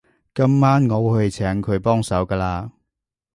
今晚我會去請佢幫手㗎喇